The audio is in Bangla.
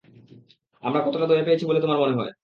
আমরা কতটা দয়া পেয়েছি বলে তোমার মনে হয়?